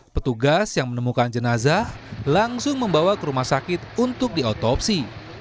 petugas yang menemukan jenazah langsung membawa ke rumah sakit untuk diotopsi